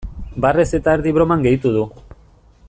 Barrez eta erdi broman gehitu du.